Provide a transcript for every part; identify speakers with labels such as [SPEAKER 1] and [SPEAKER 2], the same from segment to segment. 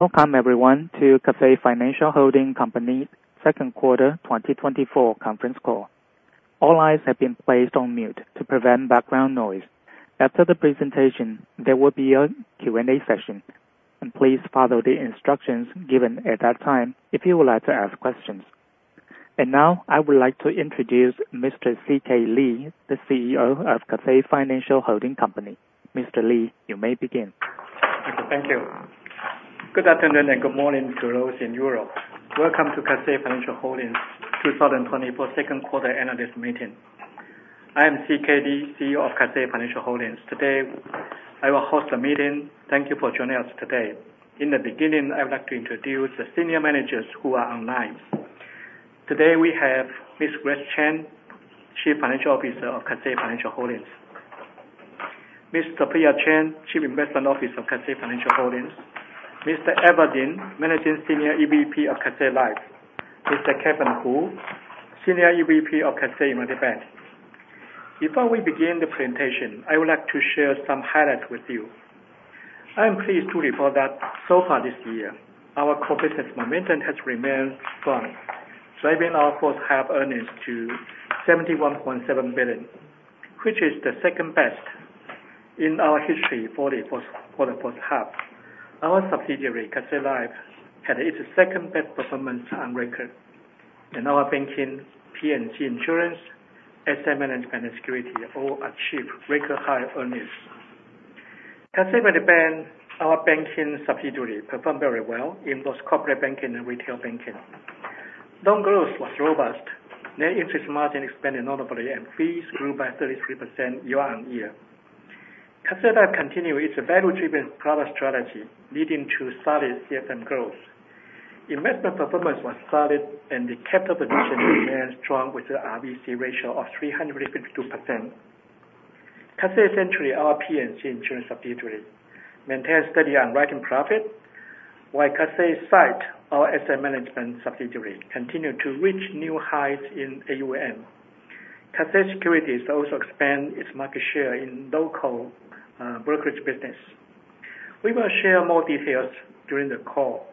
[SPEAKER 1] Welcome everyone to Cathay Financial Holding Company second quarter 2024 conference call. All lines have been placed on mute to prevent background noise. After the presentation, there will be a Q&A session, and please follow the instructions given at that time if you would like to ask questions. Now I would like to introduce Mr. CK Lee, the CEO of Cathay Financial Holding Company. Mr. Lee, you may begin.
[SPEAKER 2] Thank you. Good afternoon, and good morning to those in Europe. Welcome to Cathay Financial Holdings 2024 second quarter analyst meeting. I am CK Lee, CEO of Cathay Financial Holdings. Today, I will host the meeting. Thank you for joining us today. In the beginning, I would like to introduce the senior managers who are online. Today we have Miss Grace Chen, Chief Financial Officer of Cathay Financial Holdings. Ms. Sophia Cheng, Chief Investment Officer of Cathay Financial Holdings. Mr. Abel Lin, Managing Senior EVP of Cathay Life. Mr. Kevin Hu, Senior EVP of Cathay United Bank. Before we begin the presentation, I would like to share some highlights with you. I am pleased to report that so far this year, our corporate momentum has remained strong, driving our first half earnings to 71.7 billion, which is the second-best in our history for the first half. Our subsidiary, Cathay Life, had its second-best performance on record. Our banking P&C Insurance, SMN, and Security all achieved record high earnings. Cathay United Bank, our banking subsidiary, performed very well in both corporate banking and retail banking. Loan growth was robust. Net interest margin expanded notably and fees grew by 33% year-on-year. Cathay Life continue its value-driven product strategy, leading to solid CSM growth. Investment performance was solid, and the capital position remained strong with the RBC ratio of 352%. Cathay Century, our P&C insurance subsidiary, maintained steady underwriting profit, while Cathay SITE, our asset management subsidiary, continued to reach new heights in AUM. Cathay Securities also expanded its market share in local brokerage business. We will share more details during the call.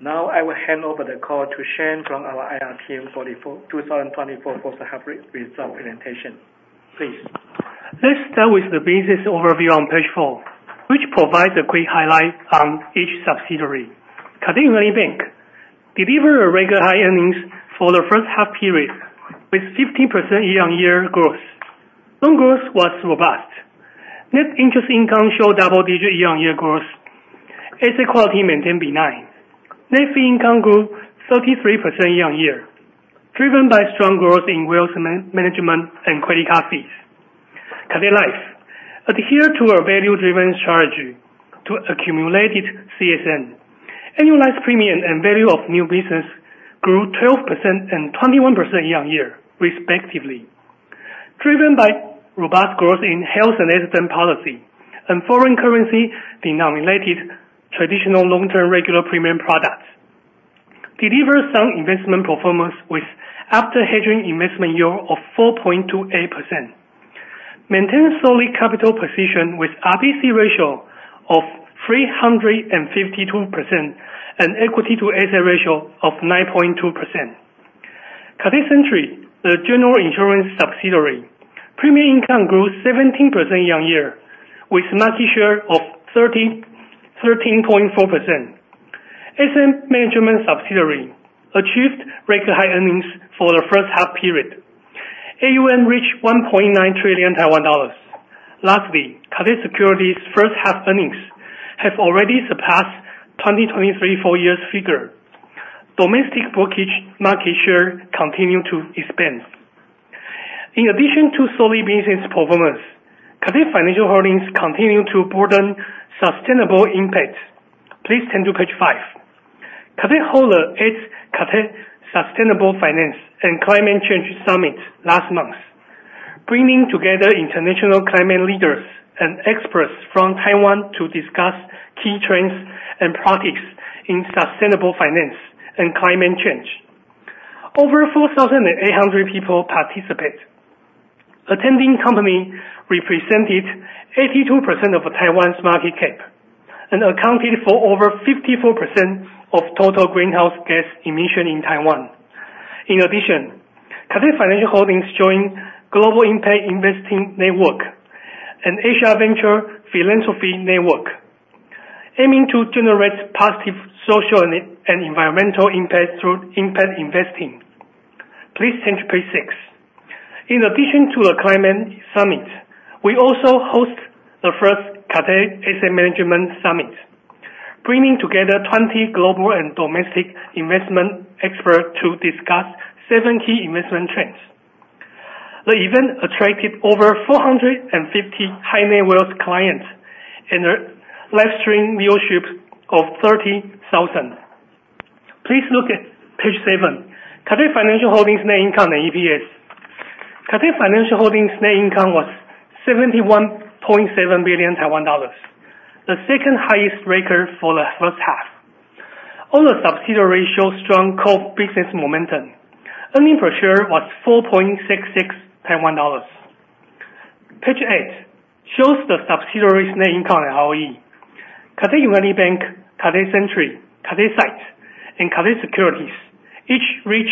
[SPEAKER 2] Now, I will hand over the call to Shane from our IR team for the 2024 first half result presentation. Please.
[SPEAKER 3] Let's start with the business overview on page four, which provides a quick highlight on each subsidiary. Cathay United Bank delivered a record high earnings for the first half period with 15% year-on-year growth. Loan growth was robust. Net interest income showed double-digit year-on-year growth. Asset quality remained benign. Net fee income grew 33% year-on-year, driven by strong growth in wealth management and credit card fees. Cathay Life adhered to a value-driven strategy to accumulate CSM. Annualized premium and value of new business grew 12% and 21% year-on-year respectively. Driven by robust growth in health and accident policy and foreign currency denominated traditional long-term regular premium products. Delivered solid investment performance with after-hedging investment yield of 4.28%. Maintained solid capital position with RBC ratio of 352% and equity to asset ratio of 9.2%. Cathay Century, the general insurance subsidiary, premium income grew 17% year-on-year, with market share of 13.4%. Asset management subsidiary achieved record high earnings for the first half period. AUM reached 1.9 trillion Taiwan dollars. Lastly, Cathay Securities first half earnings have already surpassed 2023 full-year's figure. Domestic brokerage market share continued to expand. In addition to solid business performance, Cathay Financial Holdings continue to broaden sustainable impact. Please turn to page five. Cathay held its Cathay Sustainable Finance and Climate Change Summit last month, bringing together international climate leaders and experts from Taiwan to discuss key trends and practice in sustainable finance and climate change. Over 4,800 people participated. Attending company represented 82% of Taiwan's market cap and accounted for over 54% of total greenhouse gas emission in Taiwan. In addition, Cathay Financial Holdings joined Global Impact Investing Network and Asia Venture Philanthropy Network, aiming to generate positive social and environmental impact through impact investing. Please turn to page six. In addition to the climate summit, we also host the first Cathay Asset Management Summit, bringing together 20 global and domestic investment experts to discuss seven key investment trends. The event attracted over 450 high-net-worth clients and a live stream viewership of 30,000. Please look at page seven. Cathay Financial Holdings net income and EPS. Cathay Financial Holdings net income was 71.7 billion Taiwan dollars, the second highest record for the first half. All the subsidiaries showed strong core business momentum. Earnings per share was 4.66 Taiwan dollars. Page eight shows the subsidiaries net income and ROE. Cathay United Bank, Cathay Century, Cathay SITE, and Cathay Securities each reach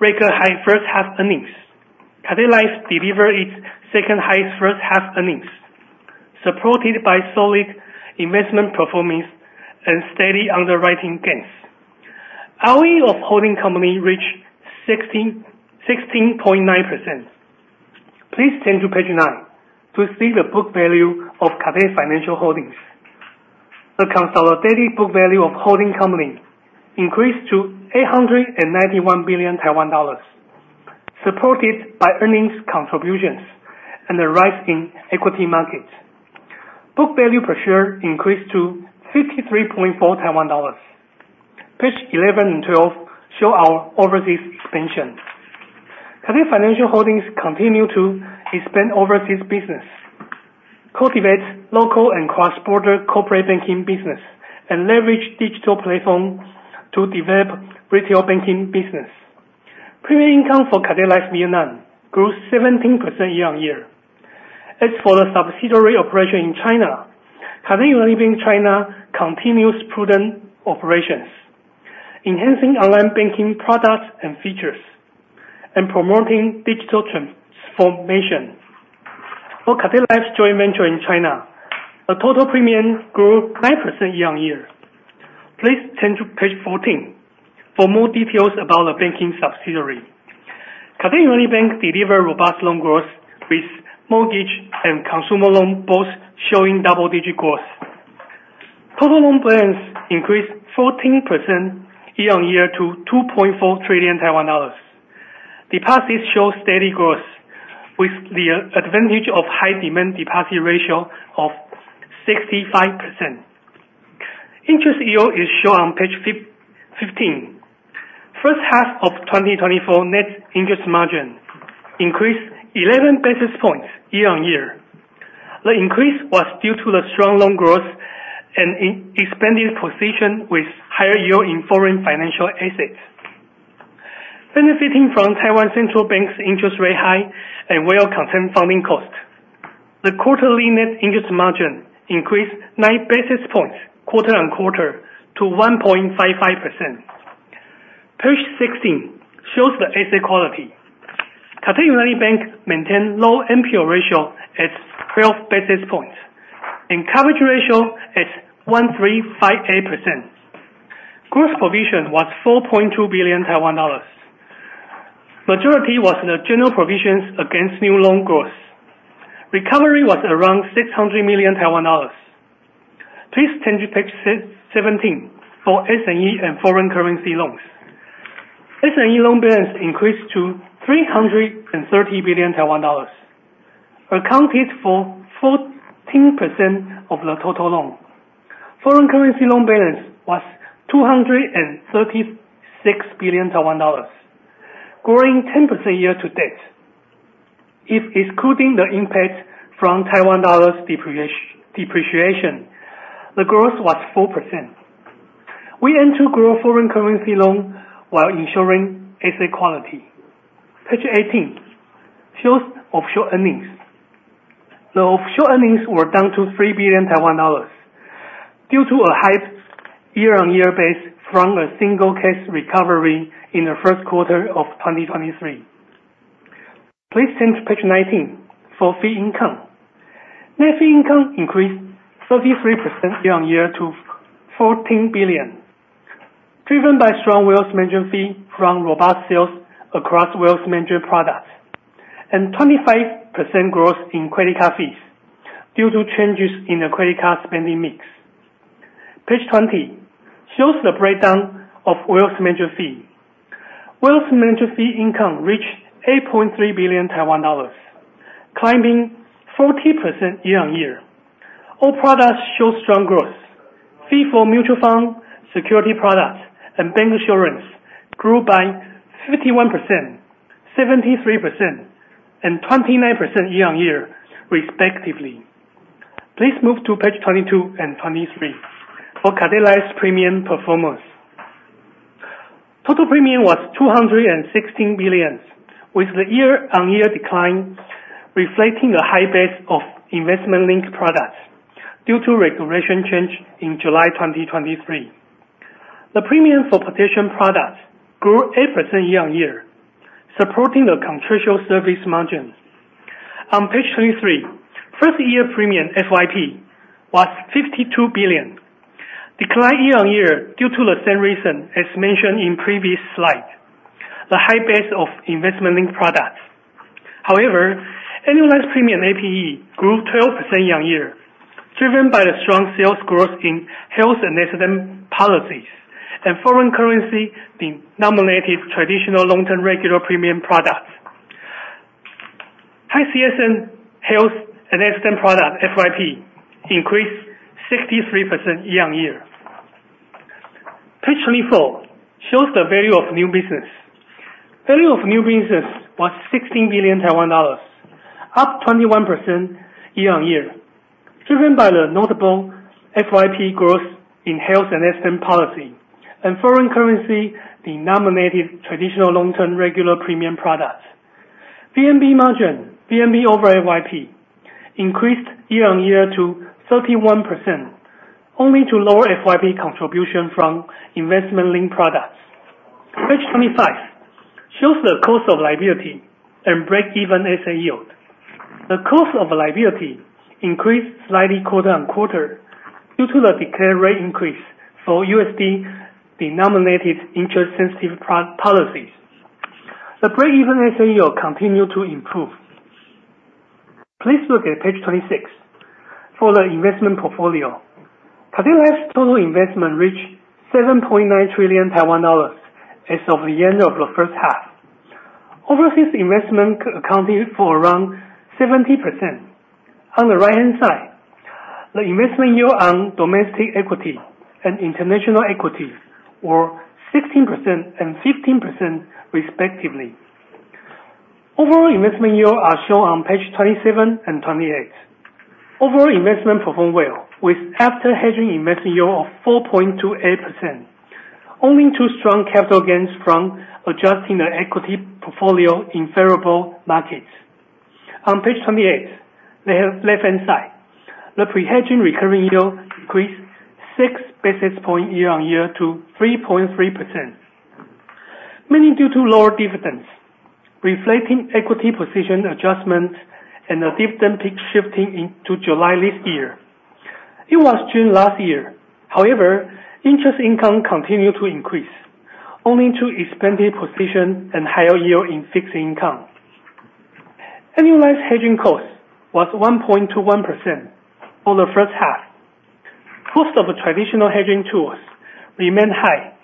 [SPEAKER 3] record high first half earnings. Cathay Life deliver its second highest first half earnings, supported by solid investment performance and steady underwriting gains. ROE of holding company reach 16.9%. Please turn to page nine to see the book value of Cathay Financial Holdings. The consolidated book value of holding company increased to 891 billion Taiwan dollars, supported by earnings contributions and a rise in equity markets. Book value per share increased to 53.4 Taiwan dollars. Page 11 and 12 show our overseas expansion. Cathay Financial Holdings continue to expand overseas business, cultivate local and cross-border corporate banking business, and leverage digital platform to develop retail banking business. Premium income for Cathay Life Vietnam grew 17% year-on-year. As for the subsidiary operation in China, Cathay United Bank China continues prudent operations, enhancing online banking products and features, and promoting digital transformation. For Cathay Life's joint venture in China, the total premium grew 9% year-on-year. Please turn to page 14 for more details about the banking subsidiary. Cathay United Bank delivered robust loan growth with mortgage and consumer loan both showing double-digit growth. Total loan balance increased 14% year-on-year to 2.4 trillion Taiwan dollars. Deposits show steady growth with the advantage of high demand deposit ratio of 65%. Interest yield is shown on page 15. First half of 2024 net interest margin increased 11 basis points year-on-year. The increase was due to the strong loan growth and expanded position with higher yield in foreign financial assets. Benefiting from Taiwan Central Bank's interest rate high and well-contained funding cost, the quarterly net interest margin increased 9 basis points quarter-on-quarter to 1.55%. Page 16 shows the asset quality. Cathay United Bank maintained low NPL ratio at 12 basis points, and coverage ratio at 135.8%. Gross provision was 4.2 billion Taiwan dollars. Majority was in the general provisions against new loan growth. Recovery was around 600 million Taiwan dollars. Please turn to page 17 for SME and foreign currency loans. SME loan balance increased to 330 billion Taiwan dollars, accounted for 14% of the total loan. Foreign currency loan balance was 236 billion dollars, growing 10% year to date. If excluding the impact from Taiwan dollar depreciation, the growth was 4%. We aim to grow foreign currency loan while ensuring asset quality. Page 18 shows offshore earnings. The offshore earnings were down to 3 billion Taiwan dollars due to a high year-on-year base from a single case recovery in the first quarter of 2023. Please turn to page 19 for fee income. Net fee income increased 33% year-on-year to 14 billion, driven by strong wealth management fee from robust sales across wealth management products, and 25% growth in credit card fees due to changes in the credit card spending mix. Page 20 shows the breakdown of wealth management fee. Wealth management fee income reached 8.3 billion Taiwan dollars, climbing 14% year-on-year. All products show strong growth. Fee for mutual fund, security products, and bank insurance grew by 51%, 73%, and 29% year-on-year respectively. Please move to page 22 and 23 for Cathay Life's premium performance. Total premium was 216 billion, with the year-on-year decline reflecting a high base of investment-linked products due to regulation change in July 2023. The premium for protection products grew 8% year-on-year, supporting the contractual service margins. On page 23, first year premium, FYP, was 52 billion, declined year-on-year due to the same reason as mentioned in previous slide, the high base of investment-linked products. However, annualized premium, APE, grew 12% year-on-year, driven by the strong sales growth in health and accident policies and foreign currency denominated traditional long-term regular premium products. High CSM health and accident product, FYP, increased 63% year-on-year. Page 24 shows the value of new business. Value of new business was 16 billion Taiwan dollars, up 21% year-over-year. Driven by the notable FYP growth in health and SME policy and foreign currency denominated traditional long term regular premium products. VNB margin, VNB over FYP increased year-over-year to 31% due to lower FYP contribution from investment-linked products. Page 25 shows the cost of liability and break-even SA yield. The cost of liability increased slightly quarter-on-quarter due to the declared rate increase for USD denominated interest sensitive policies. The break-even SA yield continued to improve. Please look at page 26 for the investment portfolio. Cathay Life's total investment reached 7.9 trillion Taiwan dollars as of the end of the first half. Overseas investment accounted for around 70%. On the right-hand side, the investment yield on domestic equity and international equity were 16% and 15% respectively. Overall investment yield are shown on page 27 and 28. Overall investment performed well with after hedging investment yield of 4.28%, owing to strong capital gains from adjusting the equity portfolio in favorable markets. On page 28, the left-hand side, the pre-hedging recurring yield increased 6 basis points year-on-year to 3.3%, mainly due to lower dividends, reflecting equity position adjustment and a dividend peak shifting into July this year. It was June last year. However, interest income continued to increase, owing to expanded position and higher yield in fixed income. Annualized hedging cost was 1.21% for the first half. Cost of traditional hedging tools remained high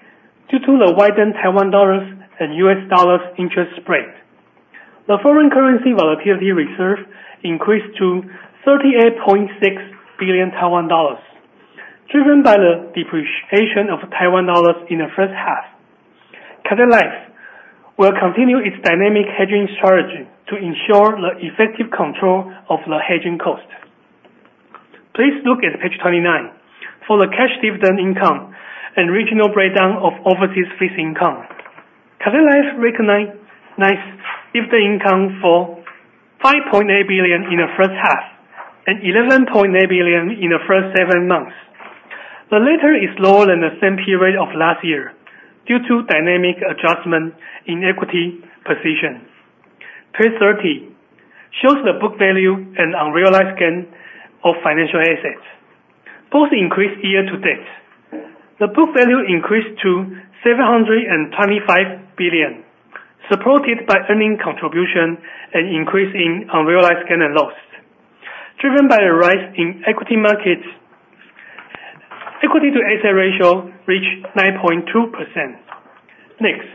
[SPEAKER 3] due to the widened Taiwan dollar and U.S. dollar interest spread. The foreign currency volatility reserve increased to 38.6 billion Taiwan dollars, driven by the depreciation of Taiwan dollars in the first half. Cathay Life will continue its dynamic hedging strategy to ensure the effective control of the hedging cost. Please look at page 29 for the cash dividend income and regional breakdown of overseas fee income. Cathay Life recognized fee income for 5.8 billion in the first half and 11.8 billion in the first seven months. The latter is lower than the same period of last year due to dynamic adjustment in equity position. Page 30 shows the book value and unrealized gain of financial assets. Both increased year to date. The book value increased to 725 billion, supported by earning contribution and increase in unrealized gain and loss. Driven by the rise in equity markets, equity to asset ratio reached 9.2%. Next,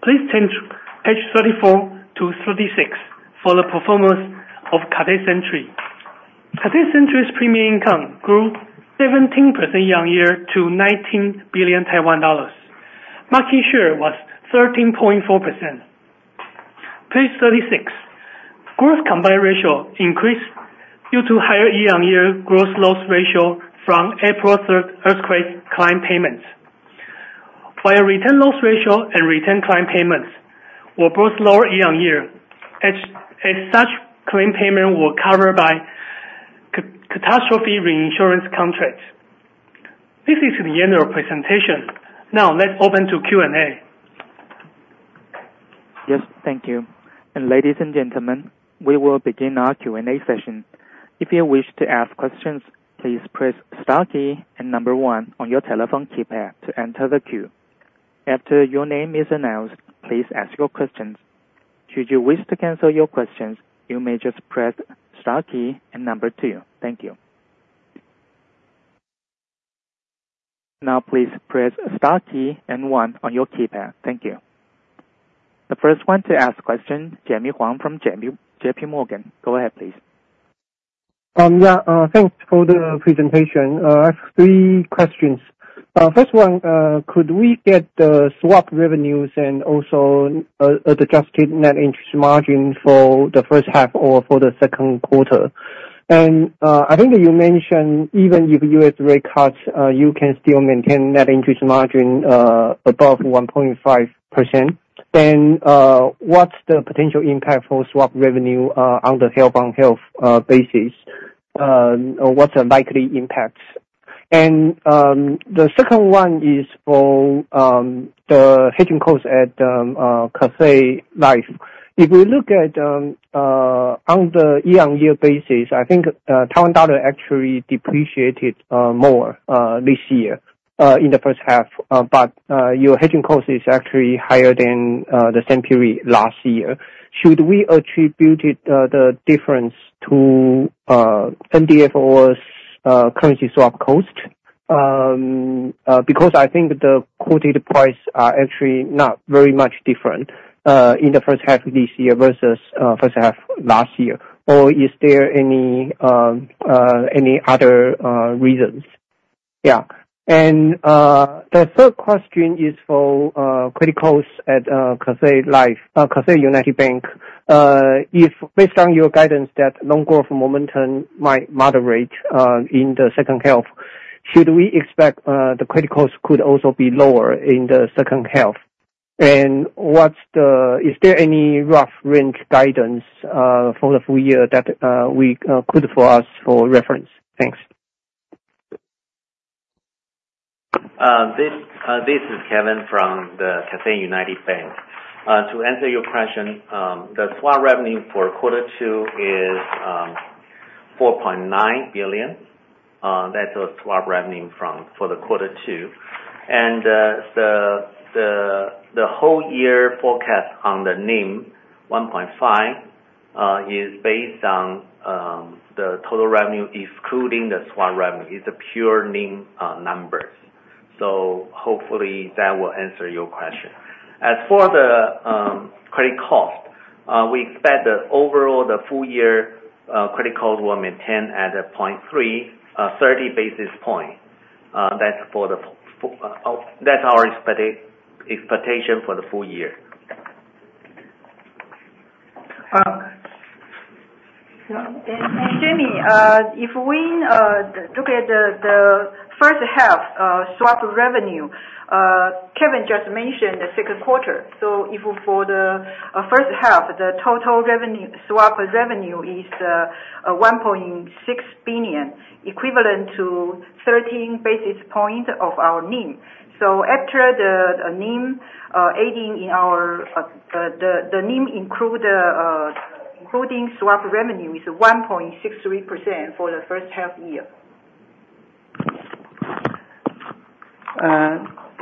[SPEAKER 3] please turn to page 34-36 for the performance of Cathay Century. Cathay Century's premium income grew 17% year-on-year to 19 billion Taiwan dollars. Market share was 13.4%. Page 36. Gross combined ratio increased due to higher year-on-year gross loss ratio from April 3rd earthquake claim payments, while retained loss ratio and retained claim payments were both lower year-on-year. As such, claim payments were covered by catastrophe reinsurance contracts. This is the end of presentation. Now let's open to Q&A.
[SPEAKER 1] Yes, thank you. Ladies and gentlemen, we will begin our Q&A session. If you wish to ask questions, please press star key and number one on your telephone keypad to enter the queue. After your name is announced, please ask your questions. Should you wish to cancel your questions, you may just press star key and number two. Thank you. Now please press star key and one on your keypad. Thank you. The first one to ask question, Jemmy Huang from JPMorgan. Go ahead please.
[SPEAKER 4] Yeah, thanks for the presentation. I have three questions. First one, could we get the swap revenues and also an adjusted net interest margin for the first half or for the second quarter? I think that you mentioned even if U.S. rate cuts, you can still maintain net interest margin above 1.5%. What's the potential impact for swap revenue on the health basis? What's the likely impacts? The second one is for the hedging cost at Cathay Life. If we look at on the year-over-year basis, I think Taiwan dollar actually depreciated more this year in the first half. But your hedging cost is actually higher than the same period last year. Should we attribute it, the difference to NDF or currency swap cost? Because I think the quoted price are actually not very much different in the first half of this year versus first half last year. Or is there any other reasons? Yeah. The third question is for credit costs at Cathay Life, Cathay United Bank. If based on your guidance that loan growth momentum might moderate in the second half, should we expect the credit costs could also be lower in the second half? Is there any rough range guidance for the full-year that we could use for reference? Thanks.
[SPEAKER 5] This is Kevin from the Cathay United Bank. To answer your question, the swap revenue for quarter two is 4.9 billion. That's our swap revenue for the quarter two. The whole year forecast on the NIM 1.5% is based on the total revenue excluding the swap revenue. It's a pure NIM numbers. Hopefully that will answer your question. As for the credit cost, we expect that overall the full-year credit cost will maintain at 0.3, 30 basis points. That's our expectation for the full-year.
[SPEAKER 6] Jemmy, if we look at the first half swap revenue, Kevin just mentioned the second quarter. If for the first half, the total revenue, swap revenue is 1.6 billion, equivalent to 13 basis points of our NIM. After the NIM, adding in our the NIM including swap revenue is 1.63% for the first half year.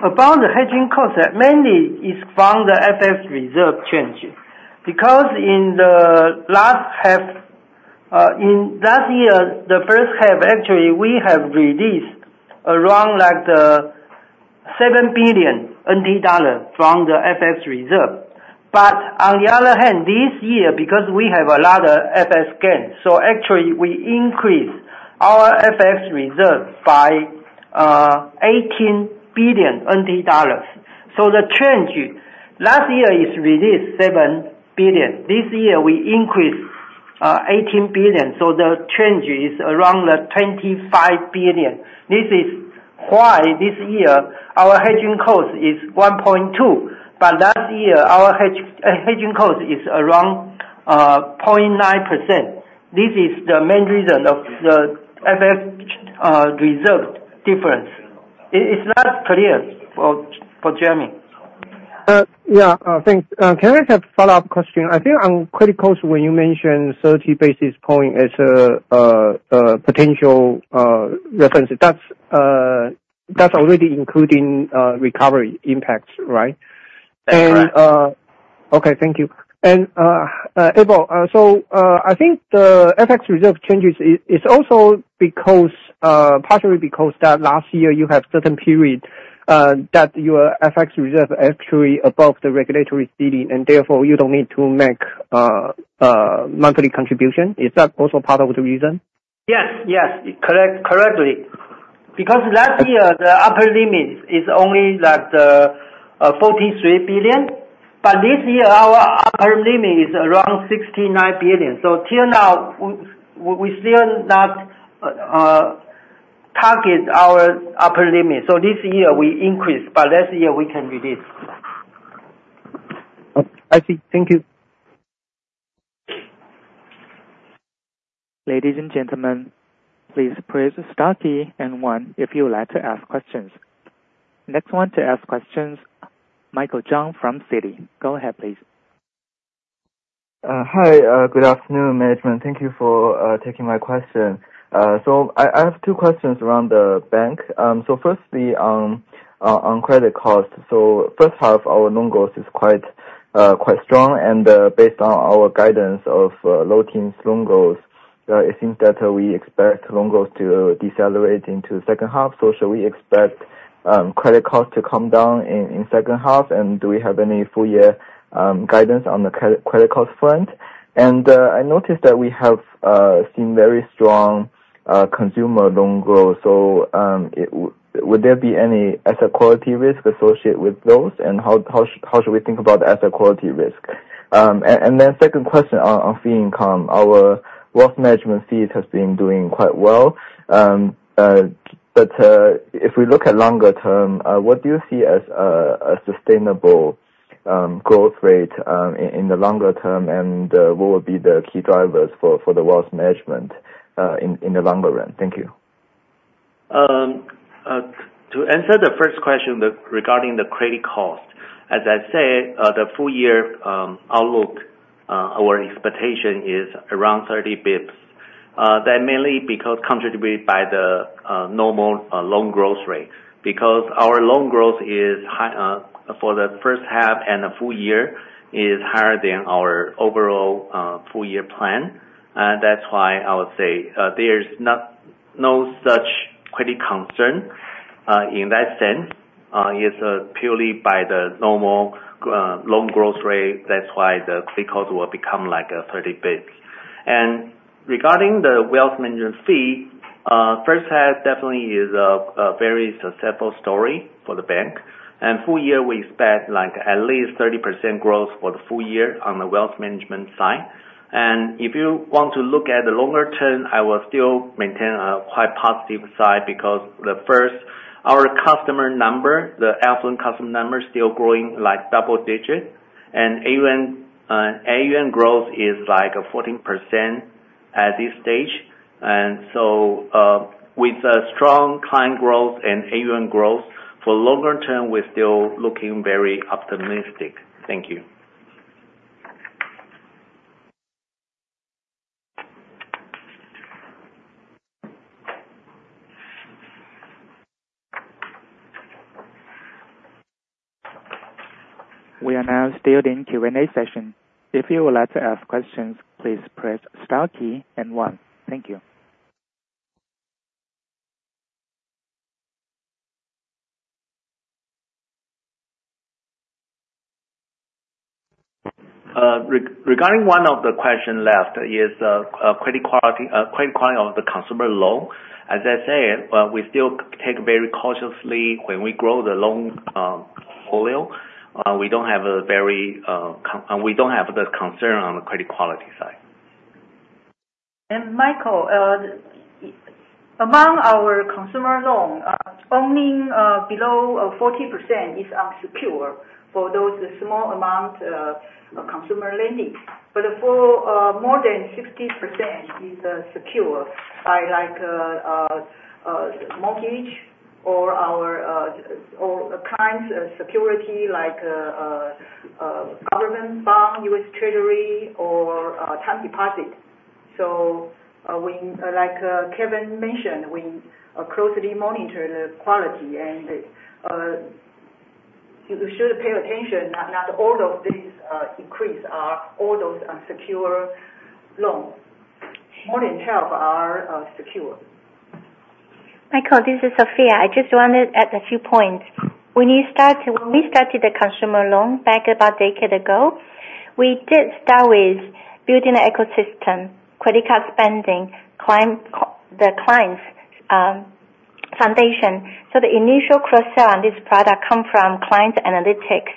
[SPEAKER 7] About the hedging cost, mainly is from the FX reserve changes. Because in the last half, in that year, the first half actually, we have released around like 7 billion NT dollar from the FX reserve. On the other hand, this year because we have a lot of FX gain, so actually we increased our FX reserve by 18 billion NT dollars. The change, last year is released 7 billion. This year we increased 18 billion, so the change is around 25 billion. This is why this year our hedging cost is 1.2%, but last year our hedging cost is around 0.9%. This is the main reason of the FX reserve difference. Is that clear for Jemmy?
[SPEAKER 4] Yeah. Thanks. Can I have a follow-up question? I think on credit costs, when you mentioned 30 basis point as a potential reference, that's already including recovery impacts, right?
[SPEAKER 5] That's right.
[SPEAKER 4] Okay, thank you. Abel, so I think the FX reserve changes is also because, partially because that last year you have certain period that your FX reserve actually above the regulatory ceiling, and therefore you don't need to make monthly contribution. Is that also part of the reason?
[SPEAKER 7] Yes. Correctly. Because last year the upper limit is only like 43 billion, but this year our upper limit is around 69 billion. Till now we still not target our upper limit. This year we increased, but last year we can reduce.
[SPEAKER 4] Oh, I see. Thank you.
[SPEAKER 1] Next one to ask questions, Michael Zhang from Citi. Go ahead please.
[SPEAKER 8] Hi. Good afternoon, management. Thank you for taking my question. I have two questions around the bank. Firstly, on credit costs. First half our loan growth is quite strong, and based on our guidance of low teens loan growth, it seems that we expect loan growth to decelerate into second half. Should we expect credit costs to come down in second half, and do we have any full-year guidance on the credit cost front? I noticed that we have seen very strong consumer loan growth. Would there be any asset quality risk associated with those, and how should we think about the asset quality risk? And then second question on fee income. Our wealth management fees has been doing quite well. If we look at longer term, what do you see as a sustainable growth rate in the longer term, and what would be the key drivers for the wealth management in the longer run? Thank you.
[SPEAKER 5] To answer the first question regarding the credit cost, as I said, the full-year outlook, our expectation is around 30 basis points. That mainly because contributed by the normal loan growth rate. Because our loan growth is high for the first half and the full-year is higher than our overall full-year plan. That's why I would say, there's no such credit concern. In that sense, it's purely by the normal loan growth rate. That's why the credit cost will become like 30 basis points. Regarding the wealth management fee, first half definitely is a very successful story for the bank. Full-year, we expect like at least 30% growth for the full-year on the wealth management side. If you want to look at the longer term, I will still maintain a quite positive side because the first, our customer number, the affluent customer number is still growing like double digit. Even AUM growth is like 14% at this stage. With a strong client growth and AUM growth, for longer term, we're still looking very optimistic. Thank you.
[SPEAKER 1] We are now still in Q&A session. If you would like to ask questions, please press star key and one. Thank you.
[SPEAKER 5] Regarding one of the question left is credit quality of the consumer loan. As I said, we still take very cautiously when we grow the loan portfolio. We don't have the concern on the credit quality side.
[SPEAKER 6] Michael, among our consumer loan, only below 40% is unsecured for those small amount consumer lending. For more than 60% is secured by like mortgage or our or clients security like government bond, U.S. Treasury or time deposit. Like Kevin mentioned, we closely monitor the quality and you should pay attention, not all of these increase are all those unsecured loans. More than half are secured.
[SPEAKER 9] Michael, this is Sophia. I just wanted to add a few points. When we started the consumer loan back about a decade ago, we did start with building an ecosystem, credit card spending, client's foundation. The initial cross-sell on this product come from client analytics,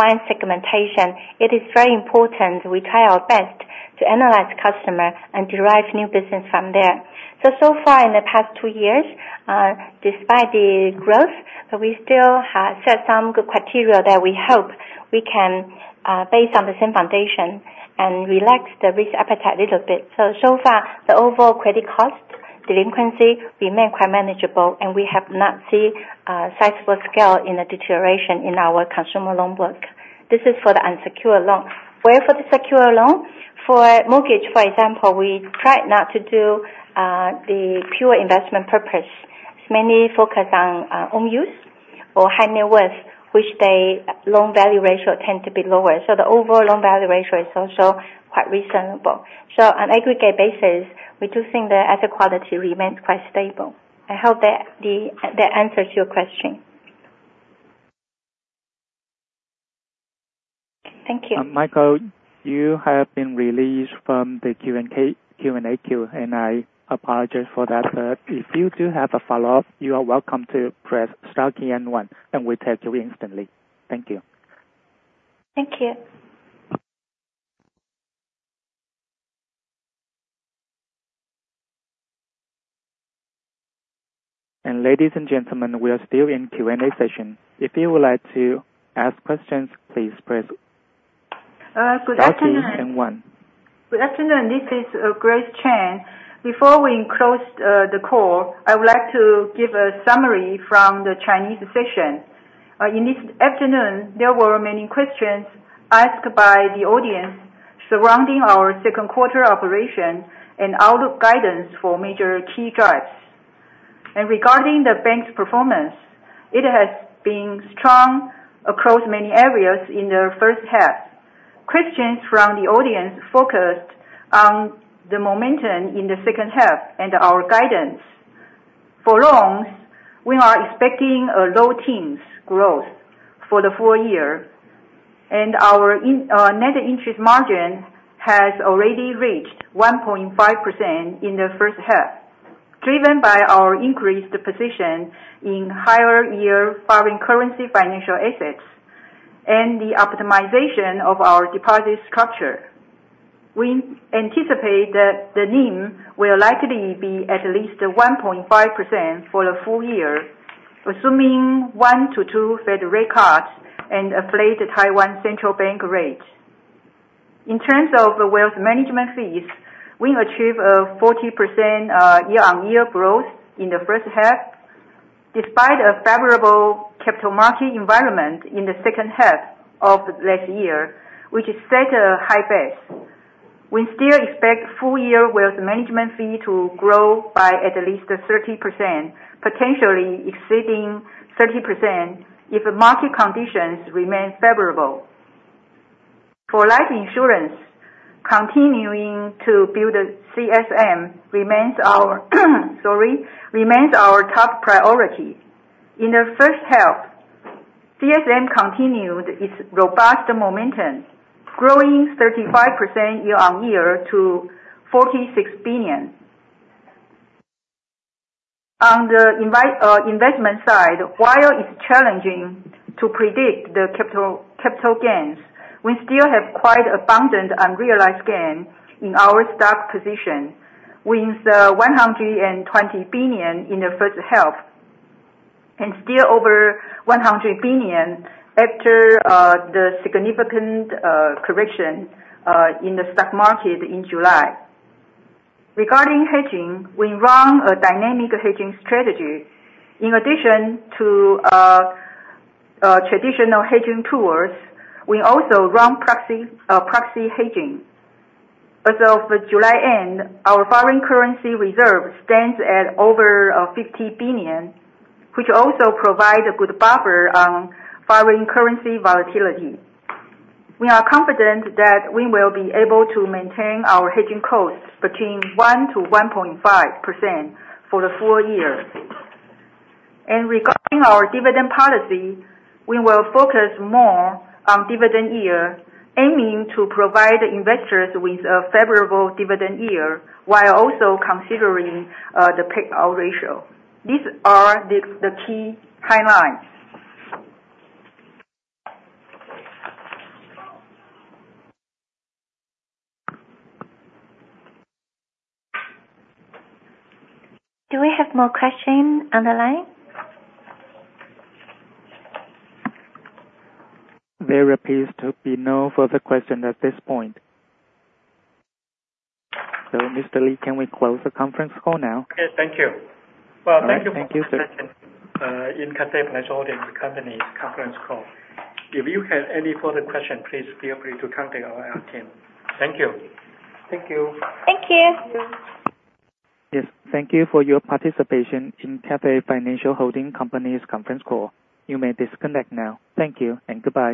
[SPEAKER 9] client segmentation. It is very important we try our best to analyze customer and derive new business from there. So far in the past two years, despite the growth, we still have set some good criteria that we hope we can base on the same foundation and relax the risk appetite a little bit. So far, the overall credit cost delinquency remain quite manageable, and we have not seen sizable scale in the deterioration in our consumer loan book. This is for the unsecured loan. Where for the secure loan, for mortgage, for example, we try not to do the pure investment purpose. It's mainly focused on own use or high net worth, which loan value ratio tend to be lower. The overall loan value ratio is also quite reasonable. On aggregate basis, we do think the asset quality remains quite stable. I hope that answers your question. Thank you.
[SPEAKER 1] Michael, you have been released from the Q&A queue, and I apologize for that. If you do have a follow-up, you are welcome to press star key and one, and we take you instantly. Thank you.
[SPEAKER 9] Thank you.
[SPEAKER 1] Ladies and gentlemen, we are still in Q&A session. If you would like to ask questions, please press star one.
[SPEAKER 6] Good afternoon. This is Grace Chen. Before we close the call, I would like to give a summary from the Chinese session. This afternoon, there were many questions asked by the audience surrounding our second quarter operation and outlook guidance for major key drivers. Regarding the bank's performance, it has been strong across many areas in the first half. Questions from the audience focused on the momentum in the second half and our guidance. For loans, we are expecting a low-teens growth for the full-year, and our net interest margin has already reached 1.5% in the first half, driven by our increased position in higher-yield foreign currency financial assets and the optimization of our deposit structure. We anticipate that the NIM will likely be at least 1.5% for the full-year, assuming one to two Fed rate cuts and a flat Taiwan Central Bank rate. In terms of wealth management fees, we achieve a 40% year-on-year growth in the first half, despite a favorable capital market environment in the second half of last year, which set a high base. We still expect full-year wealth management fee to grow by at least 30%, potentially exceeding 30% if the market conditions remain favorable. For life insurance, continuing to build CSM remains our top priority. In the first half, CSM continued its robust momentum, growing 35% year-on-year to TWD 46 billion. On the investment side, while it's challenging to predict the capital gains, we still have quite abundant unrealized gain in our stock position with 120 billion in the first half, and still over 100 billion after the significant correction in the stock market in July. Regarding hedging, we run a dynamic hedging strategy. In addition to traditional hedging tools, we also run proxy hedging. As of July end, our foreign currency reserve stands at over 50 billion, which also provide a good buffer on foreign currency volatility. We are confident that we will be able to maintain our hedging costs between 1%-1.5% for the full-year. Regarding our dividend policy, we will focus more on dividend yield, aiming to provide investors with a favorable dividend yield while also considering the payout ratio. These are the key highlights.
[SPEAKER 9] Do we have more questions on the line?
[SPEAKER 1] There appears to be no further question at this point. Mr. Lee, can we close the conference call now?
[SPEAKER 2] Okay, thank you. Well, thank you.
[SPEAKER 1] Thank you, sir.
[SPEAKER 2] In Cathay Financial Holding Company's conference call. If you have any further question, please feel free to contact our IR team. Thank you.
[SPEAKER 5] Thank you.
[SPEAKER 9] Thank you.
[SPEAKER 1] Yes, thank you for your participation in Cathay Financial Holding Company's conference call. You may disconnect now. Thank you and goodbye.